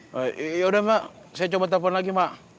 yaudah mak saya coba telpon lagi mak